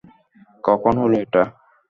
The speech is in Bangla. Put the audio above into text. কখন হলো এটা?